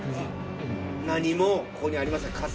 何もここにありません。